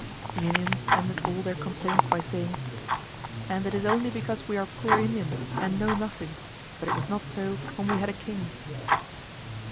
The Indians ended all their complaints by saying, "And it is only because we are poor Indians, and know nothing; but it was not so when we had a King."